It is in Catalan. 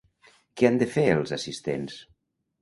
Què han de fer els assistents?